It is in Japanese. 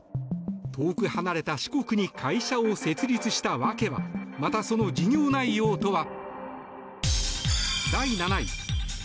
遠く離れた四国に会社を設立した訳はまた、その事業内容とは。